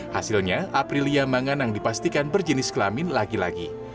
hasilnya aprilia manganang dipastikan berjenis kelamin laki laki